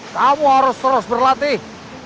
kamu harus terus berlatih